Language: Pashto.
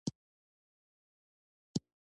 زراعت د افغانستان د سیلګرۍ برخه ده.